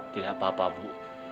tidak apa apa bu